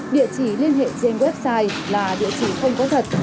địa chỉ liên hệ trên website là địa chỉ không có thật